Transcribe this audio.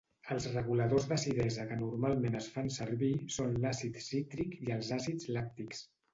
Els reguladors d’acidesa que normalment es fan servir són l’àcid cítric i els àcids làctics.